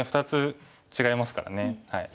２つ違いますからね。